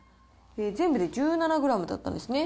全部で１７グラムだったんですね。